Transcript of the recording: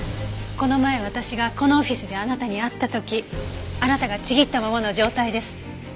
この前私がこのオフィスであなたに会った時あなたがちぎったままの状態です。